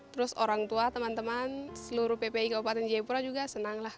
terus orang tua teman teman seluruh ppi kabupaten jayapura juga senang lah